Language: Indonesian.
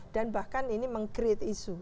dan bahkan ini meng create isu